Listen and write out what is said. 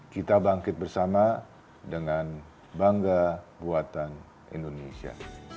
kita bangkit bersama dengan bangga buatan indonesia